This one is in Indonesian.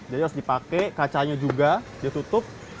jadi harus dipakai kacanya juga ditutup